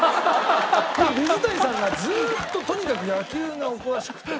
水谷さんがずーっととにかく野球がお詳しくて。